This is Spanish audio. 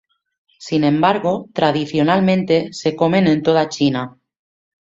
Sin embargo, tradicionalmente se comen en toda China.